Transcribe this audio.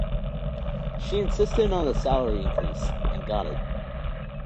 She insisted on a salary increase, and got it.